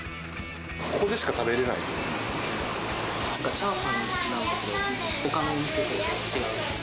ここでしか食べられないですチャーハンなんだけど、ほかのお店と違う。